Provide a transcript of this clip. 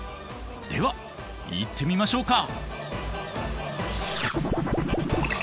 ではいってみましょうか！